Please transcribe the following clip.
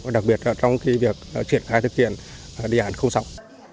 đặc biệt là trong việc triển khai thực hiện đề án sáu